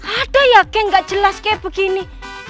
ada yakin gak jelas kayak begini